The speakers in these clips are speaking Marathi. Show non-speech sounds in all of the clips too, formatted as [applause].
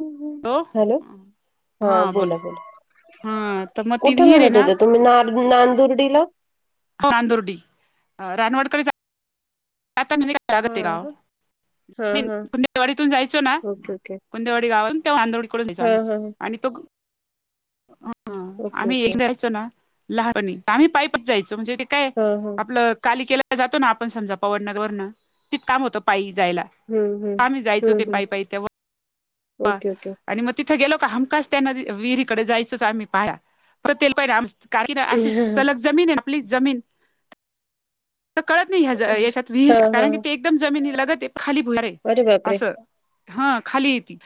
हम्म हम्म. हॅलो हा बोला हा तर बोला मग ती कुठे विहीर आहे म्हणत ना होत्या तुम्ही. नांदुर्डी ला. नादोर्डी रानवडकडे. आता कायग हा ते गाव हा हा देवाडीतून जायचो ना. ओके ओके गुंदेवाडी गावाातून तेव्हा आंदोडीकडून द्याचा हा हा आणि तो ह ओके आम्ही ओके एक जायचो ना लहानपणी आम्ही पाईपच जायचो म्हणजे. काय हा हा आपलं काली केल्या जातो ना आपण समजा पवणवरणं तिथ काम होतं पायी जायला. हम्म हम्म आम्ही जायचो हम्म ते हम्म पायीपायी त्यावर ओके ओके आणि मग तिथे गेलो का हमखास त्या न विहिरीकडे जायचोच आम्ही पाया [unintelligible] कारण की अशी सलग जमीन आहे आपली जमीन कळत नाही याच्यात हा विहीर हा कारण की ते एकदम जमीन लगत आहे खाली भुयार आहे अरे बापरे असं हा खाली हायती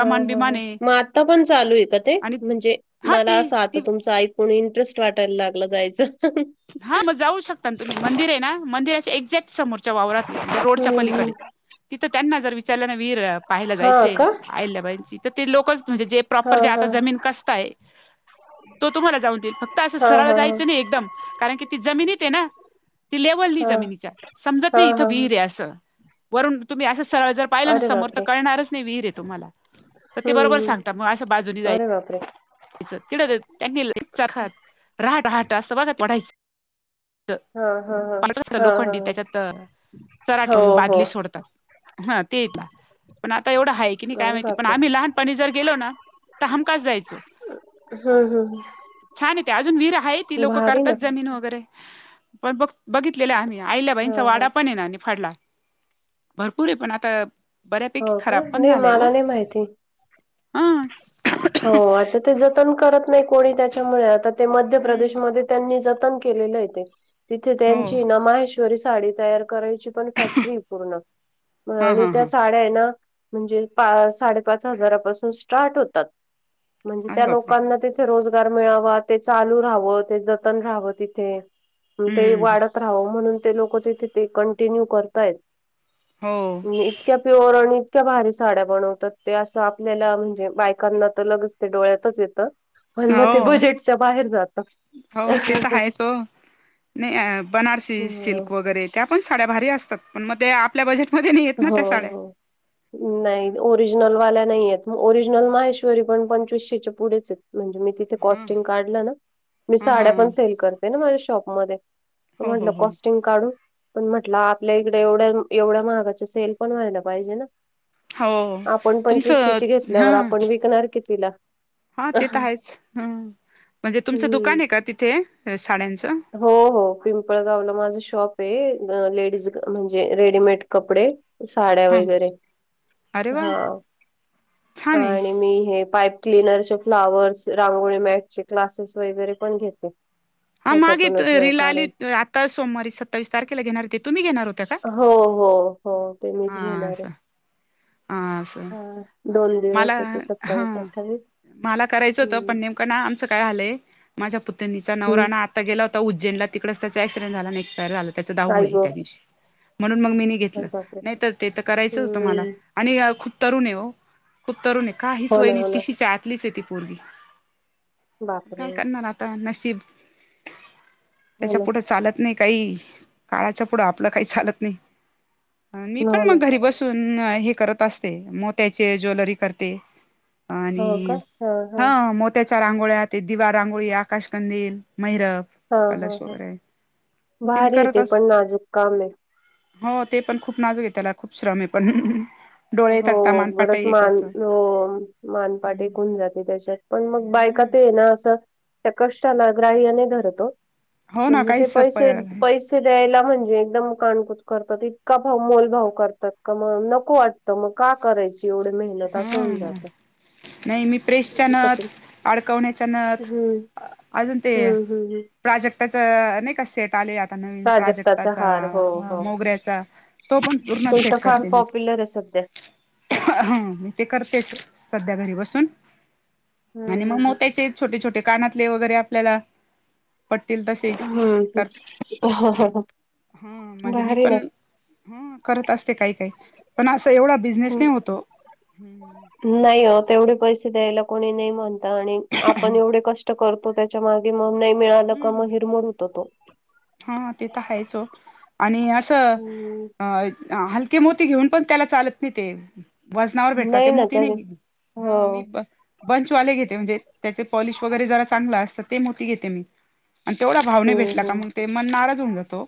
हा हा हा म आता पण चालू हाय का ते आणि म्हणजे हा मला ती अस आता ती तुमचं ऐकून इंटरेस्ट वाटायला लागलं जायचं हा म जाऊ शकता तुम्ही मंदिर आहे ना मंदिराच्या एक्झॅक्ट समोरच्या वावरात म्हणजे रोडच्या हम्म हम्म पलीकडे तिथं त्यांना जर विचारल्या ना विहिर पाहायला हा जायचे का आहिल्याबाईंची तर ते लोकच म्हणजे जे हा प्रॉपर जे हा आता जमीन कसताय तो तुम्हाला जाऊन देईल फक्त असं हा सरळ हा जायचं नाही एकदम कारण की ती जमिनीत आहे ना ती लेवल नाही हा जमिनीच्या समजत हा नाही इथं हा हा विहीर आहे असं वरून तुम्ही अशे सरळ जर पाहिलं ना अरे समोर बापरे कळणारच नाही विहीर आहे तुम्हाला तर ते हम्म बरोबर हम्म सांगतात म अस बाजूने जायचं अरे बापरे तिड त्यांनी चखात राहाट राहाट असं बघत पढायचं हा हा हा हा हा ह चर्हाट बादली सोडता हा ते येता पण आता एवढं हाय की नाही काय अरे माहिती पण बापरे आम्ही लहानपणी जर गेलो ना तर हमखास जायचो हू हू छान आहे ते अजून विहीर हाय ती लोकं करतात जमीन वगैरे पण बघ बघितलेले आम्ही हा अहिल्याबाईचा हा वाडा पण आहे ना निफाडला भरपूर आहे पण आता बऱ्यापैकी हो का खराब पण नाही झालंय हो मला नाही माहिती हा हो आता ते जतन करत नाही कोणी त्याच्यामुळे आता ते मध्य हम्म प्रदेशमध्ये त्यांनी जतन केलेल ते तिथे हो त्यांची ना माहेश्वर साडी तयार करायची पण फॅक्टरी हाय पूर्ण म हा आणि हा हा साड्या हे ना म्हणजे साडे पाच हजारापासून स्टार्ट होतात म्हणजे अरे त्या बापरे! लोकांना ते रोजगार मिळावा ते चालू राहावं ते जतन राहावं तिथे पण ते हम्म वाढत राहावं म्हणून ते लोक तिथे ते कंटिन्यू करतायत हो इतक्या प्युअर आणि इतक्या भारी साड्या बनवतात ते असं आपल्याला म्हणजे बायकांना तर लगेच ते डोळ्यातच येत पण म ते हो बजेटच्या बाहेर जात हो ते तर आहेच हो. नाही बनारसी सिल्क वगैरे त्या पण साड्या भारी असतात पण म ते आपल्या बजेटमध्ये नाही हे हो हो नाही ओरिजिनल वाल्या नाही आहेत ओरिजनल माहेश्वरी पण पंचवीसशेच्या पुढेच आहेत म्हणजे मी तिथ ते हा कॉस्टिंग काढलं ना मी हा हा साड्या पण सेल करते ना माझ्या शॉपमध्ये हो हो म्हटलं हो कॉस्टिंग काढून पण म्हटलं आपल्या इकडे एवढ्या एवढ्या महागा सेल पण व्हायला पाहिजे ना हो आपण तुमचं पंचवीसशेची हा घेतल्यावर आपण विकणार कितीला हा ते तर आहेच ह म्हणजे तुमचं हम्म दुकान आहे का तिथे साड्यांचं हो हो पिंपळगावला माझं शॉप आहे लेडीज म्हणजे रेडीमेड कपडे साड्या ह वगैरे अरे वा हा छान आहे. आणि मी हे पाय क्लिनरचे फ्लावर्स रांगोळी मॅटचे क्लासेस वगैरे पण घेते हां मागे येत त्याच्यातूनच वेळ रिल आली काढून आत्ता सोमवारी सत्तावीस तारखेला घेणार होते तुम्ही घेणार होत्या का. हो हो हो ते मीच हा घेणार आहे. असं हा असं हा दोन मला दिवस हेते हा सत्तावीस अठ्ठावीस. मला करायचं होतं हम्म पण नेमकं ना आमचं काय झालंय माझ्या पुतनीचा हम्म नवरा ना. गेला होता उज्जैनला तिकडचं त्याच अक्सिडेंनट झालन एक्सपायर झाल त्याच दहाव आई आहे गं त्या दिवशी म्हणून मी. घेतलं अरे बापरे! नाही तर ते तर करायचं होतं मला हम्म. आणि खूप तरुण आहे हो. खूप तरुण आहे काहीच हो वय ना, नाही हो ना. तिशी च्या आतलीच आहे ती पोरगी काय बापरे! करणार आ ता नशीब हो त्याच्या ना, पुढ चालत नाही. काही काळाच्या पुढं आपलं काही चालत नाही. मी पण हो ना. मग घरी बसून हे करत असते मोत्याचे ज्वेलरी करते. हो का? आणि हां, हा हां. मो त्याच्या रांगोळ्या ते दिवा रांगोळी आकाश कंदील महिरप हा हा हा मी भारी करत हेते अस पण नाजूक काम आहे. हो ते पण खूप नाजूक हे त्याला खूप श्रम आहे पण. डोळे हो थकता मानपाट बरच एक मान होतं हो. मानपाट ऐकून जाते त्याच्यात पण मग बायका हम्म ते आहे ना असं. त्या कस्टाला ग्राहय नाही धरतं ओ हो ना म्हणजे ते काहीच पैसे प पैसे. ते द्यायला म्हणजे एकदम काणकुच करतात इतका भाव मोलभाव करतात का म नको वाटत. तर मग का करायची एवढी मेहनत हा असं होऊन जात. नाही मी प्रेसच्यानथ अडकवण्याच्या नथ हं, हं, हं. प्राजक्ताच नही का सेट आले आ आता नवीन प्राजक्ताचा हार हो हो मोगऱ्याचा तो पण पूर्ण ते सेट फार करते मी. पॉप्युलर आहे सध्या तर हा मी ते करतेच सध्या घरी बसून आणि हम्म मग हम्म मोत्याचे छोटे छोटे कानातले वगैरे आपल्याला पटतील तसे हम्म करत. हम्म हा म्हणजे मी भारी ना पण. हा करत असते काही काही पण असं एवढा बिझनेस नाही होत ओ हम्म. नाही हो तेवढे पैसे द्यायला कोणी नाही म्हणत आणि आपण एवढे कष्ट करतो. तो त्याच्या मागे नाही मिळालं का मग हम्म हिरमड होता तो. हा ते तर हायच ओ आणि असं हम्म अ. हलके मोती घेऊन पण त्याला चालत नाही ते. वजनावर भेटतात ते नाही ना मोती त्या नाही हो ह मी. बंचवाले घेते म्हणजे त्याचे पॉलिश वगैरे जरा चांगलं असतं ते मोती घेते मी. आणि तेवढा भाव नाही हम्म भेटला का मग हम्म ते मन नाराज होऊन जात ओ.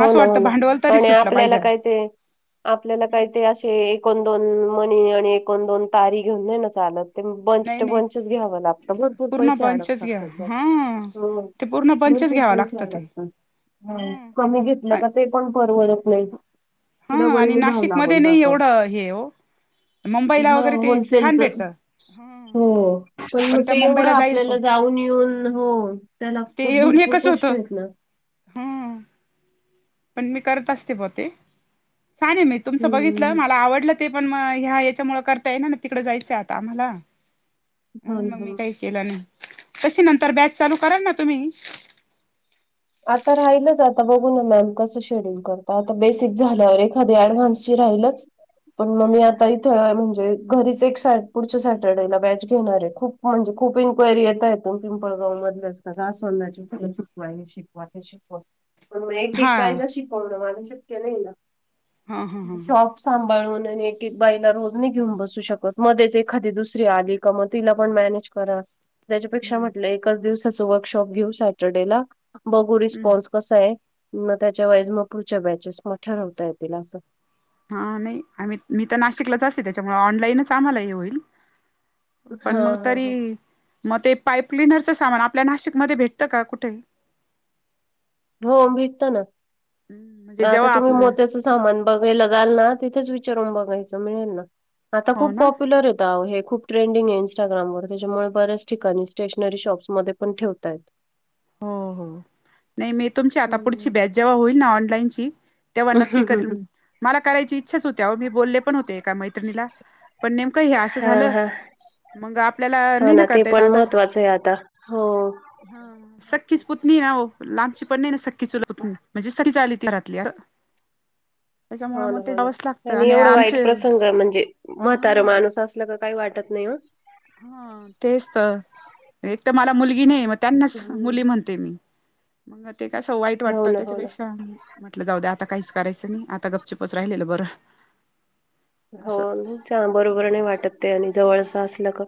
हो ना हो ना आणि आपल्याला काय ते आपल्याला काय ते अस एकन दोन मणी आणि एकन दोन तारी घेऊन नाही ना चालत. ते बंच नाही नाही बंचच घ्यावं लागतं भरपूर पूर्ण पैसे बंचच अडकतात घ्या त्याच्यात. हा ते पूर्ण बंचच भरपूर घ्यावं पैसे लागतं ते अडकतात ह कमी घेतलं का ते पण परवडत नाही. हा डबल आणि नि भाव नाशिकमध्ये लागून नाही जातो. एवढं हे हो मुंबईला हा वगैरे ते होलसेल छान चं. भेटतं ह हो पण म त्या ते एवढं मुंबईला जाईल आपल्याला कोण जाऊन येऊन हो त्याला. ते खुप येऊन भरपूर एकच कष्ट होतं आहेत ना. ह पण मी करत असते बं ते छान हे मी तुमचं बघितलं हम्म मला आवडलं. ते पण म ह्या याच्यामुळे करता येयना ना तिकडं जायचं आता आम्हाला हो म्हणून ना मग हो ना. मी काही केला नाही कशी नंतर बॅक चालू करायला तुम्ही. आता राहिलंच आता बघू ना मॅम कसं शेडूल करता तर बेसिक झाल्यावर एखादी ऍडव्हान्सची राहीलच पण मग मी आता हि थं म्हणजे घरीच एक सेट पुढच्या सॅटर्डेला एक बॅच घेणारे आहे खूप म्हणजे खूप इन्क्वायरी येता आहेत. कोण पिंपळगाव मधलाच कजा सोन्नाची. [unintelligible] वाटेत शिकव हा पण [unintelligible] शिकवण माझं शक्य नाही ना. हा हा हा सॉफ् सांभाळून आणि एक-एक बाईला रोज नाही घेऊन बसू शकत मध्येच एखादी दुसरी आली का मग तिला पण मॅनेज करा. त्याच्यापेक्षा म्हटलं एकच दिवसाचं वर्कशॉप घेऊ सॅटर्डे ला बघू रिस्पॉन्स कसा आहे म त्याच्या वेळेस मग पुढच्या बॅचेस मग ठरवता येतील असं. हा नाही आम्ही मी तर नाशिकलाच असते त्याच्यामुळे ऑनलाईनच आम्हाला हे होईल. हा पण मग हा तरी हा म ते पाईप क्लीनरचा सामान आपल्या नाशिक मध्ये भेटतं का कुठे? हो भेटतं ना हम्म, मग म्हणजे आता जेव्हा तुम्ही आपलं मोत्यातचच सामान बघायला जायल ना तिथेच विचारून बघायचं मिळेल ना आता हो खूप ना पॉप्युलरेत ताव हे खूप ट्रेडिंग आहे इंस्टाग्राम वर त्याच्यामुळे बऱ्याच ठिकाणी स्टेशनरी शॉपस मध्ये पण ठेवता आहेत. हो हो नाही नाही तुमची आता पुढची हम्म. बॅच जेव्हा होईल ना ऑनलाईन ची तेव्हा नक्की करीन मला करायची इच्छा होती अहो मी बोलले पण होती एका मैत्रिणीला पण नेमकं हे असं हा झालं हा मंग आपल्याला नाही ना करता येत आत्ता ता हो. सख्खीच पुतणी आहो लांबची पण नाही ना सख् की चुलं पुतणी म्हणजे [unintelligible] आली ती घरातल्या असं. हो ना हो ना लागतं ह्यांनी आणि एवढा वाईट आमचे प्रसंग म्हणजे म्हातारा हा माणूस अस ला का काही वाटत नाही हा हा तेच तर एकतर मला मुलगी नाही म त्यांनाच हम्म. मुली म्हण ते मी मंगं ते कसं वाईट हो वाटतं ना हो ना त्याच्यापेक्षा म्हटलं जाऊ दे आता काहीच करायचं नाही आत्ता गपचूपच राहिलेलं बरं. हो असं नी चांबर बरं नाही वाटत ते आणि जवळचं असलं का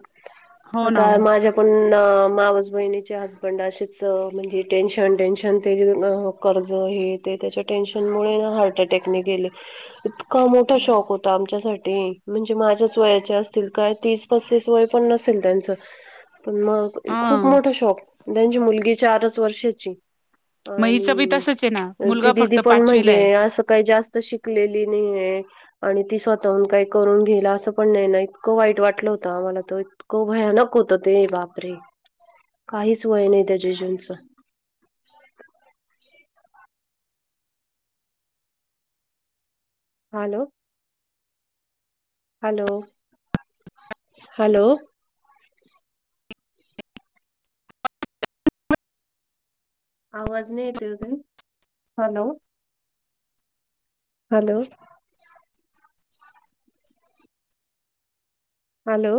हो ना आता हो माझ्या पण ना मावस बहिणीच्या हसबँड अशीच म्हणजे टेन्शन टेन्शन त्याची. [unintelligible] कर्ज हे ते त्याच्या टेन्शनमुळे ना हार्ट अटॅकने गेले इतका मोठा शॉक हो तो आमच्यासाठी म्हणजेच माझ्याच वयाचे असतील काय तीस-पसतीस वय पण नसेल त्यांचं. पण मंग हे हा खूप मोठा शॉक त्यांची मुलगी चारच वर्षाची मग हिचं बी आणि तसंच आहे ना ती मुलगा दीदी फक्त पण पाचवीला आहे म्हणजे असं काय जास्त शिकलेली नाही ना आणि ती स्वतःहून काय करून घेईल असं पण नाही नाही इतकं वाईट वाटलं होतं आम्हाला तर इतकं भयानक होतं ते बापरे काहीच वय नव्हतं त्या जीजूंचा. Hello hello hello. आवाज नाही येते होता नी हॅलो. हॅलो. हॅलो.